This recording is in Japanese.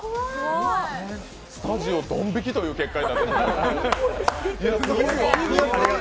スタジオドン引きという結果になってます。